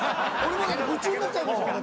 夢中になっちゃいましたもん。